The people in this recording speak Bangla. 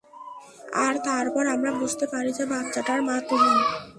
আর তারপর, আমরা বুঝতে পারি যে বাচ্চাটার মা তুমি।